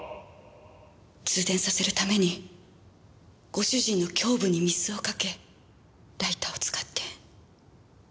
通電させるためにご主人の胸部に水をかけライターを使って。